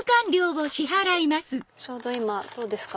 ちょうど今どうですか？